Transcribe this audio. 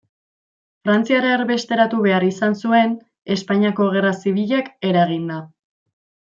Frantziara erbesteratu behar izan zuen, Espainiako Gerra Zibilak eraginda.